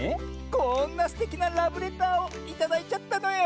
こんなすてきなラブレターをいただいちゃったのよ！